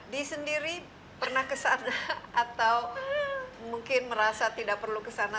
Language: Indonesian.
di sendiri pernah kesana atau mungkin merasa tidak perlu kesana